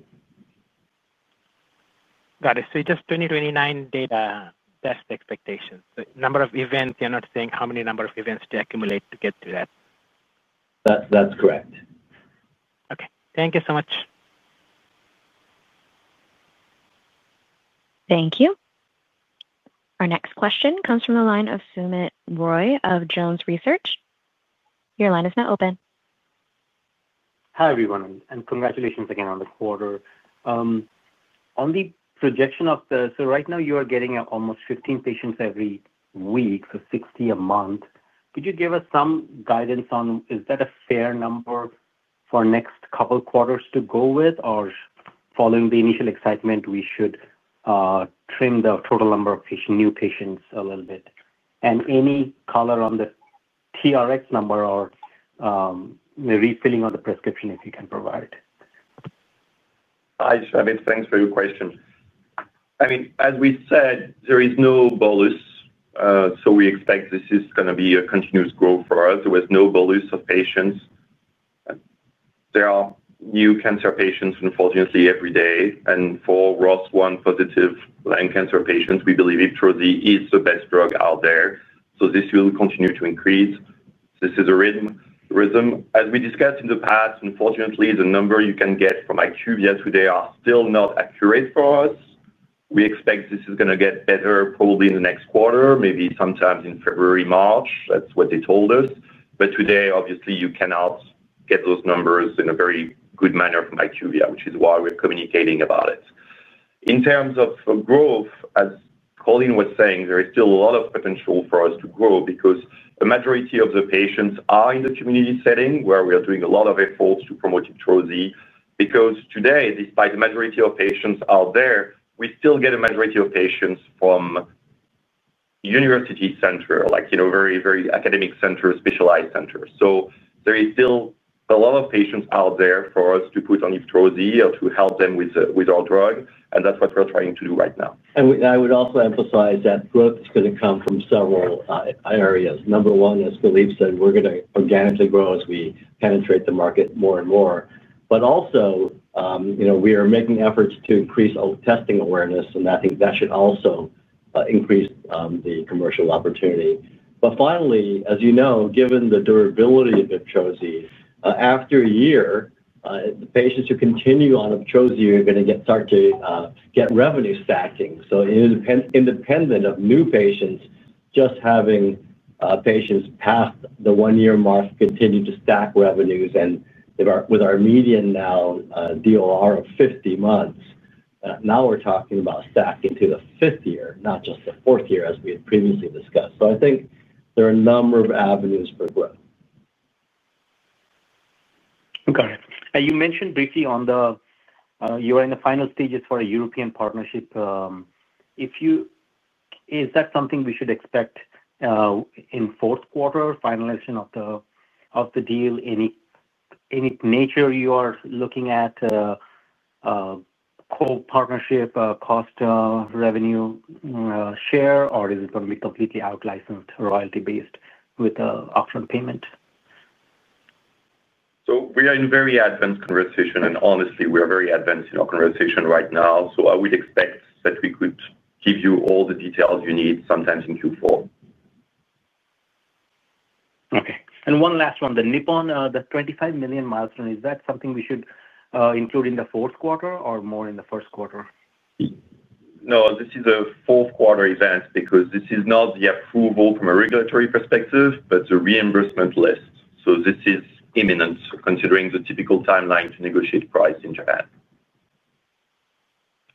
Got it. Just 2029 data test expectations. Number of events, you're not saying how many number of events to accumulate to get to that? That's correct. Okay. Thank you so much. Thank you. Our next question comes from the line of Soumit Roy of Jones Research. Your line is now open. Hi, everyone, and congratulations again on the quarter. On the projection of the—right now, you are getting almost 15 patients every week, so 60 a month. Could you give us some guidance on is that a fair number for next couple of quarters to go with, or following the initial excitement, should we trim the total number of new patients a little bit? Any color on the TRX number or refilling on the prescription, if you can provide? Hi, Soumit, thanks for your question. As we said, there is no bolus. We expect this is going to be a continuous growth for us. There was no bolus of patients. There are new cancer patients, unfortunately, every day. For ROS1-positive lung cancer patients, we believe IBTROZI is the best drug out there. This will continue to increase. This is a rhythm. As we discussed in the past, unfortunately, the number you can get from IQVIA today are still not accurate for us. We expect this is going to get better probably in the next quarter, maybe sometime in February, March. That's what they told us. Today, obviously, you cannot get those numbers in a very good manner from IQVIA, which is why we're communicating about it. In terms of growth, as Colleen was saying, there is still a lot of potential for us to grow because the majority of the patients are in the community setting where we are doing a lot of efforts to promote IBTROZI. Today, despite the majority of patients out there, we still get a majority of patients from university centers, like very, very academic centers, specialized centers. There is still a lot of patients out there for us to put on IBTROZI or to help them with our drug. That's what we're trying to do right now. I would also emphasize that growth is going to come from several areas. Number one, as Philippe said, we're going to organically grow as we penetrate the market more and more. We are making efforts to increase testing awareness, and I think that should also increase the commercial opportunity. Finally, as you know, given the durability of IBTROZI, after a year, the patients who continue on IBTROZI are going to start to get revenue stacking. Independent of new patients, just having patients past the one-year mark continue to stack revenues. With our median now DOR of 50 months, now we're talking about stacking to the fifth year, not just the fourth year, as we had previously discussed. I think there are a number of avenues for growth. Got it. You mentioned briefly on the, you are in the final stages for a European partnership. Is that something we should expect in fourth quarter, finalization of the deal? Any nature you are looking at, the co-partnership cost revenue share, or is it going to be completely outlicensed, royalty-based with an optional payment? We are in very advanced conversation, and honestly, we are very advanced in our conversation right now. I would expect that we could give you all the details you need sometime in Q4. Okay. One last one, the Nippon $25 million milestone, is that something we should include in the fourth quarter or more in the first quarter? No, this is a fourth-quarter event because this is not the approval from a regulatory perspective, but the reimbursement list. This is imminent, considering the typical timeline to negotiate price in Japan.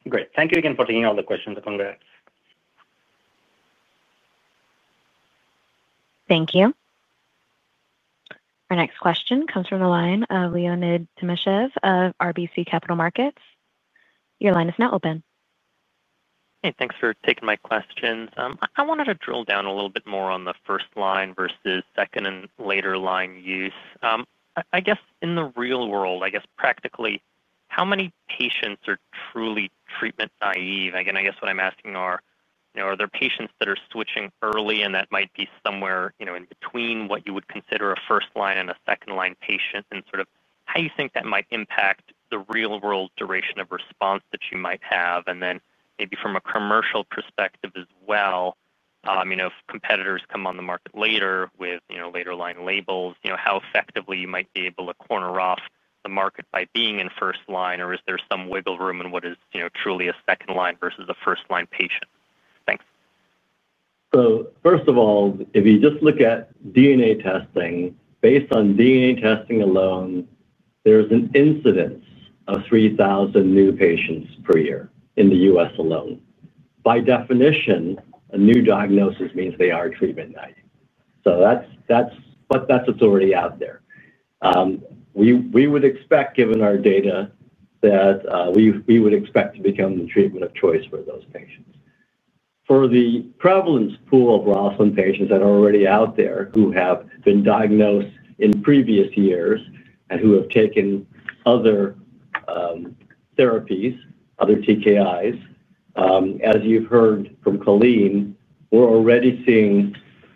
Great. Thank you again for taking all the questions. Congrats. Thank you. Our next question comes from the line of Leonid Timashev of RBC Capital Markets. Your line is now open. Hey, thanks for taking my questions. I wanted to drill down a little bit more on the first line versus second and later line use. I guess in the real world, I guess practically, how many patients are truly treatment-naive? Again, I guess what I'm asking are, are there patients that are switching early, and that might be somewhere in between what you would consider a first-line and a second-line patient? Sort of how you think that might impact the real-world duration of response that you might have? Then maybe from a commercial perspective as well. If competitors come on the market later with later-line labels, how effectively you might be able to corner off the market by being in first line, or is there some wiggle room in what is truly a second-line versus a first-line patient? Thanks. First of all, if you just look at DNA testing, based on DNA testing alone, there is an incidence of 3,000 new patients per year in the U.S. alone. By definition, a new diagnosis means they are treatment-naive. That's what's already out there. We would expect, given our data, that. We would expect to become the treatment of choice for those patients. For the prevalence pool of ROS1 patients that are already out there who have been diagnosed in previous years and who have taken other therapies, other TKIs. As you've heard from Colleen, we're already seeing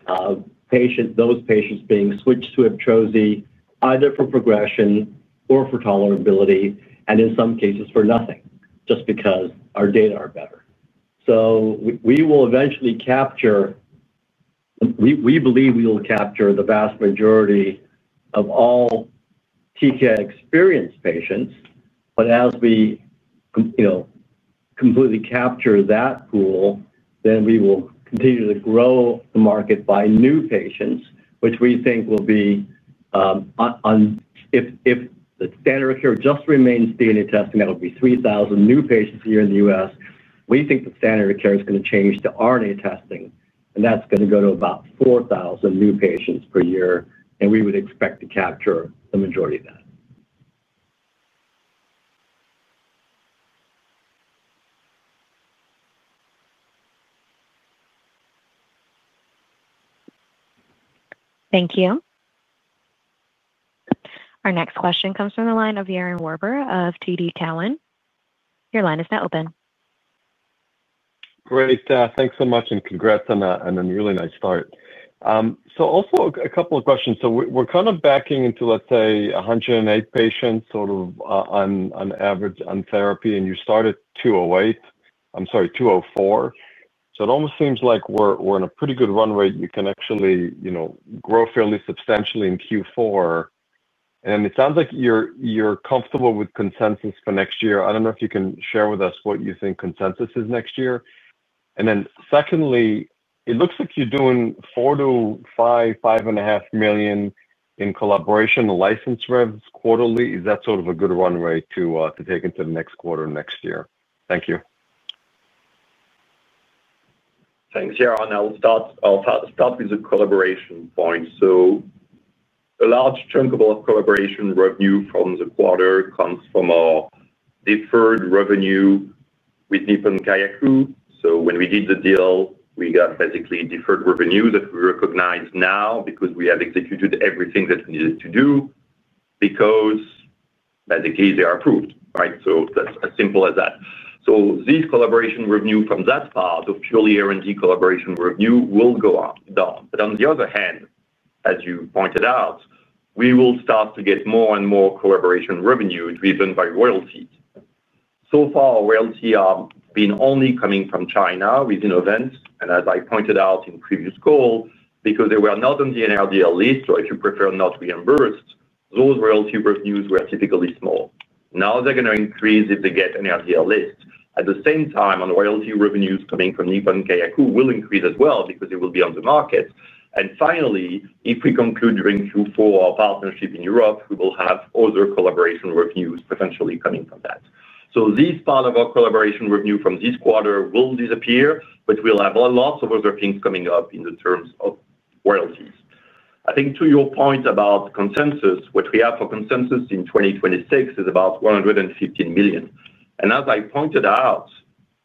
those patients being switched to IBTROZI either for progression or for tolerability, and in some cases, for nothing, just because our data are better. We will eventually capture. We believe we will capture the vast majority of all TKI-experienced patients. As we completely capture that pool, then we will continue to grow the market by new patients, which we think will be. If the standard of care just remains DNA testing, that would be 3,000 new patients a year in the U.S. We think the standard of care is going to change to RNA testing, and that's going to go to about 4,000 new patients per year. We would expect to capture the majority of that. Thank you. Our next question comes from the line of Yaron Werber of TD Cowan. Your line is now open. Great. Thanks so much, and congrats on a really nice start. Also a couple of questions. We're kind of backing into, let's say, 108 patients sort of on therapy, and you started 204. It almost seems like we're in a pretty good run rate. You can actually grow fairly substantially in Q4. It sounds like you're comfortable with consensus for next year. I don't know if you can share with us what you think consensus is next year. Secondly, it looks like you're doing $4 million-$5.5 million in collaboration license revs quarterly. Is that sort of a good run rate to take into the next quarter next year? Thank you. Thanks, Yaron. I'll start with the collaboration point. A large chunk of our collaboration revenue from the quarter comes from our deferred revenue with Nippon Kayaku. When we did the deal, we got basically deferred revenue that we recognize now because we have executed everything that we needed to do. Basically, they are approved, right? That's as simple as that. This collaboration revenue from that part of purely R&D collaboration revenue will go down. On the other hand, as you pointed out, we will start to get more and more collaboration revenue driven by royalties. So far, royalties have been only coming from China with Innovent. As I pointed out in previous calls, because they were not on the NRDL list, or if you prefer not reimbursed, those royalty revenues were typically small. Now they're going to increase if they get NRDL list. At the same time, royalty revenues coming from Nippon Kayaku will increase as well because it will be on the market. Finally, if we conclude during Q4 our partnership in Europe, we will have other collaboration revenues potentially coming from that. This part of our collaboration revenue from this quarter will disappear, but we'll have lots of other things coming up in terms of royalties. I think to your point about consensus, what we have for consensus in 2026 is about $115 million. As I pointed out,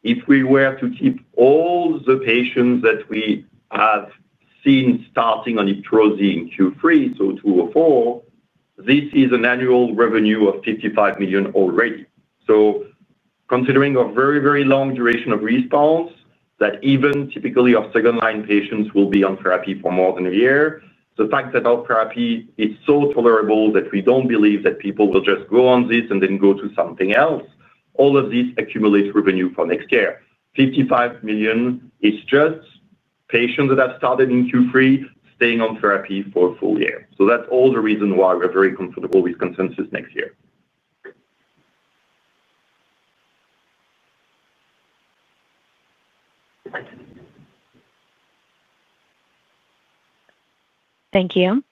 if we were to keep all the patients that we have seen starting on IBTROZI in Q3, so 204, this is an annual revenue of $55 million already. Considering a very, very long duration of response that even typically our second-line patients will be on therapy for more than a year, the fact that our therapy is so tolerable that we don't believe that people will just go on this and then go to something else, all of this accumulates revenue for next year. $55 million is just patients that have started in Q3 staying on therapy for a full year. That's all the reason why we're very comfortable with consensus next year. Thank you.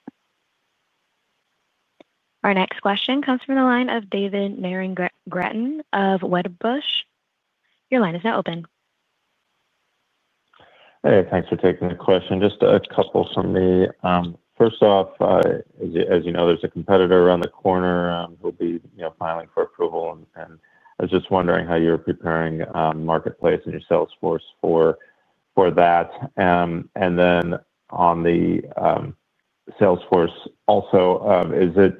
Our next question comes from the line of David Nierengarten of Wedbush. Your line is now open. Hey, thanks for taking the question. Just a couple from me. First off, as you know, there's a competitor around the corner who'll be filing for approval. I was just wondering how you're preparing marketplace and your Salesforce for that. On the Salesforce also, is it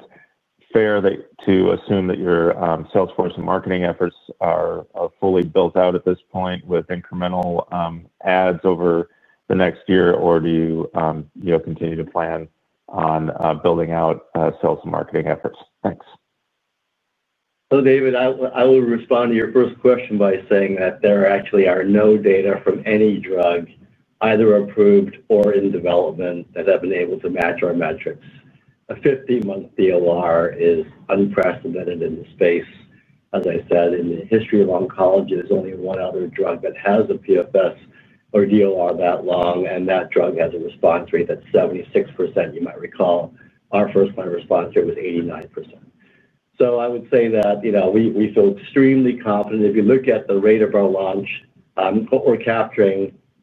fair to assume that your Salesforce and marketing efforts are fully built out at this point with incremental adds over the next year, or do you continue to plan on building out sales and marketing efforts? Thanks. David, I will respond to your first question by saying that there actually are no data from any drug, either approved or in development, that have been able to match our metrics. A 50-month DOR is unprecedented in the space. As I said, in the history of oncology, there's only one other drug that has a PFS or DOR that long, and that drug has a response rate that's 76%. You might recall our first-line response rate was 89%. I would say that we feel extremely confident. If you look at the rate of our launch,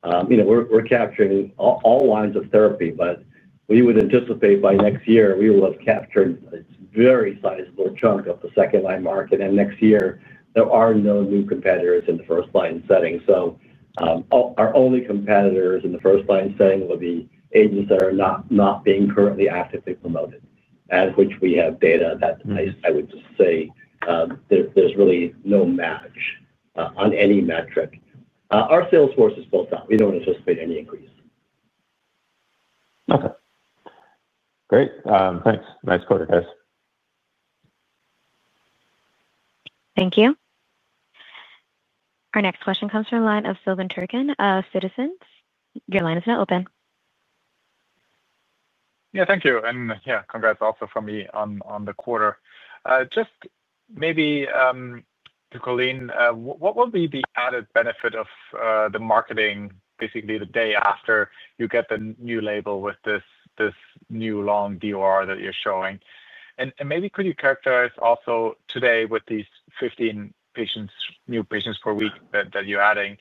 we're capturing all lines of therapy, but we would anticipate by next year, we will have captured a very sizable chunk of the second-line market. Next year, there are no new competitors in the first-line setting. Our only competitors in the first-line setting will be agents that are not being currently actively promoted, as which we have data that I would just say. There's really no match on any metric. Our Salesforce is full stop. We don't anticipate any increase. Okay. Great. Thanks. Nice quarter, guys. Thank you. Our next question comes from the line of Silvan Türkcan of Citizens. Your line is now open. Yeah, thank you. And yeah, congrats also from me on the quarter. Just maybe. To Colleen, what will be the added benefit of the marketing, basically the day after you get the new label with this new long DOR that you're showing? And maybe could you characterize also today with these 15 new patients per week that you're adding.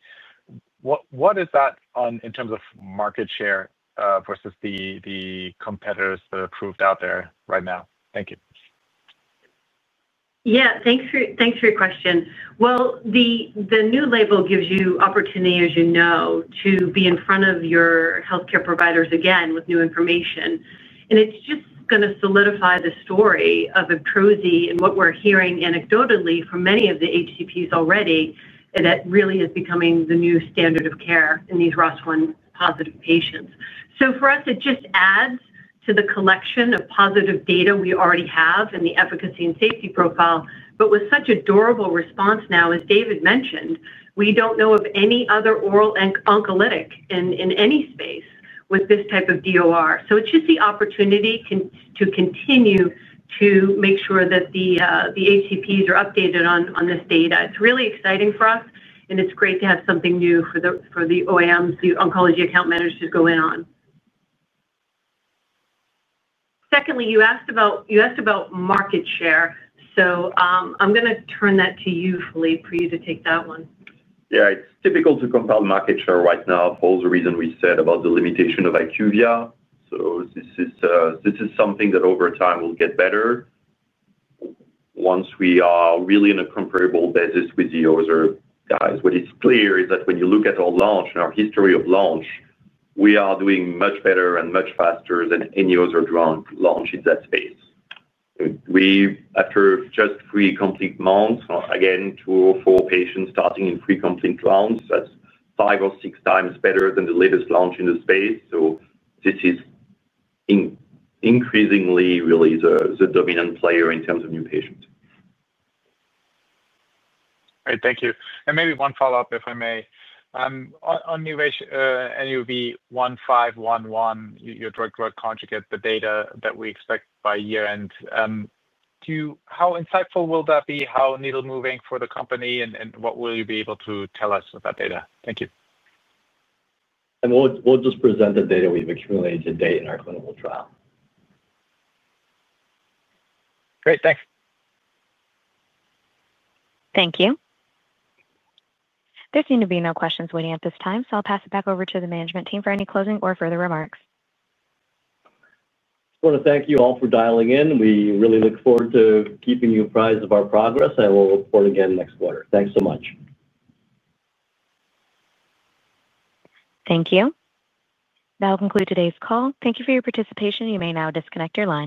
What is that in terms of market share versus the competitors that are approved out there right now? Thank you. Yeah, thanks for your question. The new label gives you opportunity, as you know, to be in front of your healthcare providers again with new information. It's just going to solidify the story of IBTROZI and what we're hearing anecdotally from many of the HCPs already that really is becoming the new standard of care in these ROS1-positive patients. For us, it just adds to the collection of positive data we already have in the efficacy and safety profile. With such a durable response now, as David mentioned, we don't know of any other oral oncolytic in any space with this type of DOR. It's just the opportunity to continue to make sure that the HCPs are updated on this data. It's really exciting for us, and it's great to have something new for the OAMs, the Oncology Account Managers, to go in on. Secondly, you asked about market share. I'm going to turn that to you, Philippe, for you to take that one. Yeah, it's difficult to compound market share right now. All the reason we said about the limitation of IQVIA. This is something that over time will get better. Once we are really on a comparable basis with the other guys. What is clear is that when you look at our launch and our history of launch, we are doing much better and much faster than any other drug launched in that space. After just three complete months, again, two or four patients starting in three complete rounds, that's five or six times better than the latest launch in the space. This is increasingly really the dominant player in terms of new patients. Great. Thank you. And maybe one follow-up, if I may. On NUV-1511, your drug-drug conjugate, the data that we expect by year-end. How insightful will that be? How needle-moving for the company? And what will you be able to tell us with that data? Thank you. We'll just present the data we've accumulated today in our clinical trial. Great. Thanks. Thank you. There seem to be no questions waiting at this time, so I'll pass it back over to the management team for any closing or further remarks. I just want to thank you all for dialing in. We really look forward to keeping you apprised of our progress. I will report again next quarter. Thanks so much. Thank you. That will conclude today's call. Thank you for your participation. You may now disconnect your line.